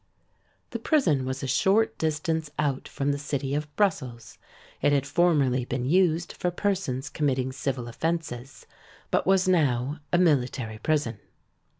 The prison was a short distance out from the city of Brussels. It had formerly been used for persons committing civil offenses, but was now a military prison.